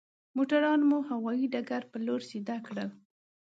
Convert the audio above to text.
موټران مو هوايي ډګر پر لور سيده کړل.